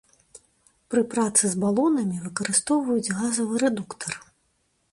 Пры працы з балонамі выкарыстоўваюць газавы рэдуктар.